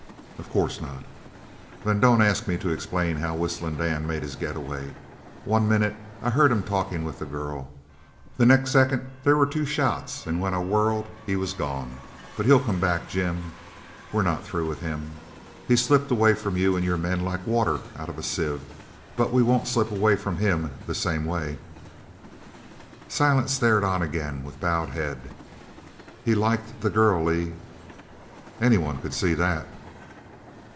"Of course not." "Then don't ask me to explain how Whistling Dan made his getaway. One minute I heard him talkin' with the girl. The next second there was two shots and when I whirled he was gone. But he'll come back, Jim. We're not through with him. He slipped away from you and your men like water out of a sieve, but we won't slip away from him the same way." Silent stared on again with bowed head. "He liked the girl, Lee?" "Any one could see that."